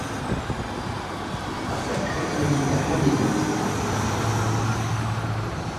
لقد ذكرّتني بأحدهم.